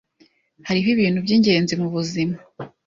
Hariho ibintu byingenzi mubuzima.